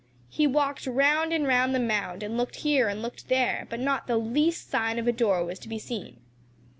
He walked 'round and 'round the mound and looked here and looked there, but not the least sign of a door was to be seen.